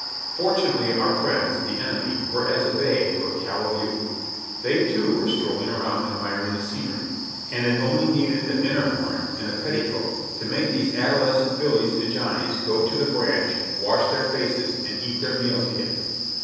Fortunately, our friends, the enemy, were as a babe to a callow youth. They too were strolling around admiring the scenery, and it only needed a dinner horn and a petticoat to make these adolescent Billies and Johnnies go to the branch, wash their faces and eat their meal together.